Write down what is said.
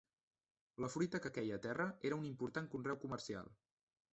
La fruita que queia a terra era un important conreu comercial.